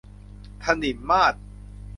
ถนิมมาศ